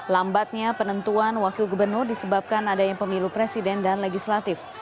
lambatnya penentuan wakil gubernur disebabkan ada yang pemilu presiden dan legislatif